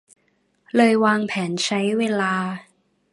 เลยวางแผนใช้เวลา